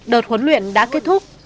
đợt huấn luyện đã kết thúc